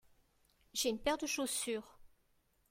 J'ai une paire de chaussures.